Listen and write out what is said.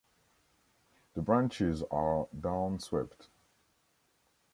The branches are downswept.